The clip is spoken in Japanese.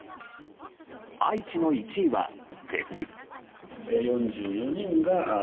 愛知の１位は、フェス。